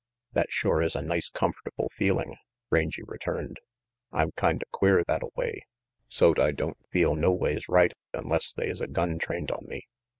"That shore is a nice comfortable feeling," Rangy returned. "I'm kinda queer thattaway, so't I don't feel noways right unless they is a gun trained on me.